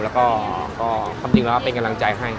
แล้วก็ความจริงแล้วก็เป็นกำลังใจให้